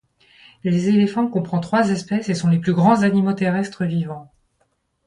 Les éléphants comprend trois espèces et sont les plus grands animaux terrestres vivants.